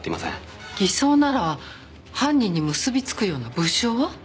偽装なら犯人に結びつくような物証は？